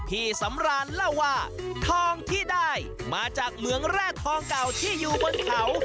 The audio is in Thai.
พี่สำรานเล่าว่าทองที่ได้มาจากเหมืองแร่ทองเก่าที่อยู่บนเขา